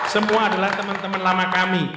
semua adalah teman teman lama kami